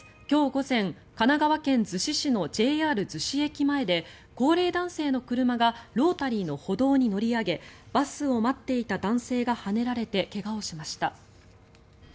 今日午前、神奈川県逗子市のＪＲ逗子駅前で高齢男性の車がロータリーの歩道に乗り上げバスを待っていた男性がはねられて怪我をしました。